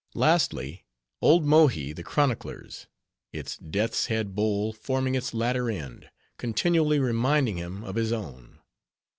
Lastly, old Mohi the chronicler's. Its Death's head bowl forming its latter end, continually reminding him of his own.